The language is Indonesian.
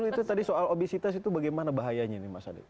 mas adi dulu tadi soal obesitas itu bagaimana bahayanya nih mas adi